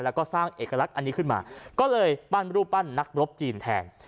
แล้วก็สร้างเอกลักษณ์อันนี้ขึ้นมาก็เลยปั้นรูปปั้นนักรบจีนแทน